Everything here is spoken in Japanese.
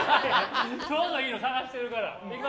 ちょうどいいの探してるから。